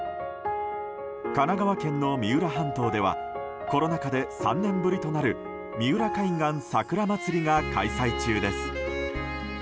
神奈川県の三浦半島ではコロナ禍で３年ぶりとなる三浦海岸桜まつりが開催中です。